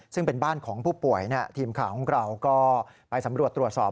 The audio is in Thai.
ซึ่งเป็นบ้านของผู้ป่วยทีมข่าวของเราก็ไปสำรวจตรวจสอบ